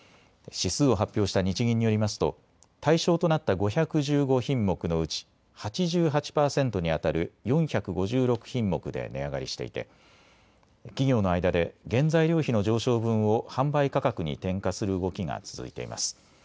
指数を発表した日銀によりますと対象となった５１５品目のうち８８％にあたる４５６品目で値上がりしていて企業の間で原材料費の上昇分を販売価格に転嫁する動きが続いています。